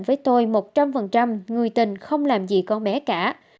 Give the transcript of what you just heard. với tôi một trăm linh người tình không làm gì con bé cả